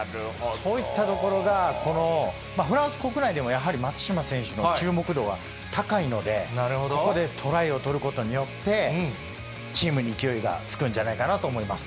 そういったところが、フランス国内でもやはり、松島選手の注目度は高いので、ここでトライを取ることによって、チームに勢いがつくんじゃないかなと思います。